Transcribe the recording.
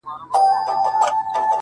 ته چي راغلې سپين چي سوله تور باڼه ـ